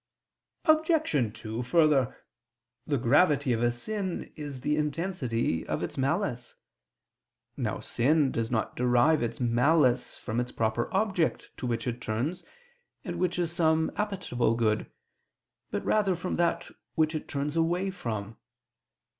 Obj. 2: Further, the gravity of a sin is the intensity of its malice. Now sin does not derive its malice from its proper object to which it turns, and which is some appetible good, but rather from that which it turns away from.